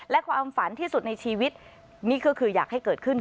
และความฝันที่สุดในชีวิตนี่ก็คืออยากให้เกิดขึ้น